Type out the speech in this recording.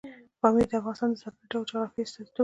پامیر د افغانستان د ځانګړي ډول جغرافیې استازیتوب کوي.